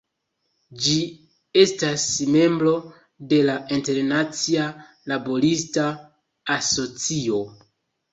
Ĝi estas membro de la Internacia Laborista Asocio.